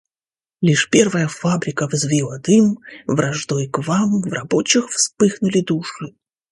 Лишь первая фабрика взвила дым — враждой к вам в рабочих вспыхнули души.